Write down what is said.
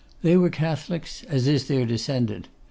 They were Catholics, as their descendant.